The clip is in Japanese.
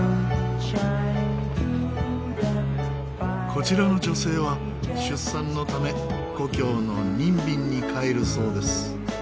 こちらの女性は出産のため故郷のニンビンに帰るそうです。